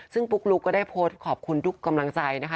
ซึ่งปุ๊กลุ๊กก็ได้โพสต์ขอบคุณทุกกำลังใจนะคะ